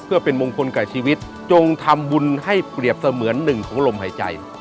เพื่อเป็นมงคลกับชีวิตจงทำบุญให้เปรียบเสมือนหนึ่งของลมหายใจ